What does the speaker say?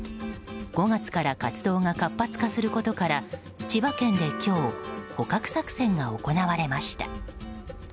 ５月から活動が活発化することから千葉県で今日捕獲作戦が行われました。